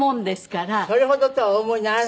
それほどとはお思いにならなかった？